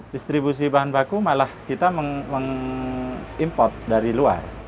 distribusi bahan baku malah kita mengimport dari luar